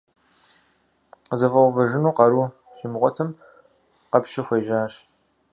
КъызэфӀэувэжыну къару щимыгъуэтым, къэпщу хуежьащ.